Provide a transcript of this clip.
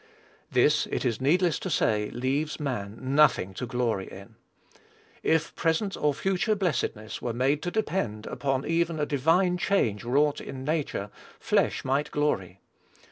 This, it is needless to say, leaves man nothing to glory in. If present or future blessedness were made to depend upon even a divine change wrought in nature, flesh might glory.